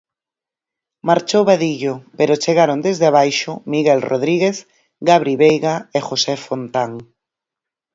Marchou Vadillo, pero chegaron desde abaixo Miguel Rodríguez, Gabri Veiga e José Fontán.